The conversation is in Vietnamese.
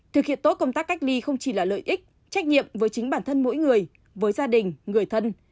thực hiện tốt công tác cách ly không chỉ là lợi ích trách nhiệm với chính bản thân mỗi người với gia đình người thân